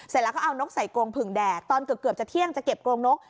เสร็จแล้วก็เอานกใส่กรงผึ่งแดดตอนเกือบจะเที่ยงจะเก็บกรงนก